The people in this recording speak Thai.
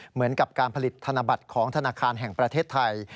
เหมือนกับการผลิตธนบัตรของธนาคารแห่งประเทศไทย